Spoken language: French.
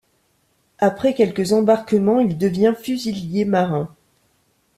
Après quelques embarquements, il devient fusilier marin.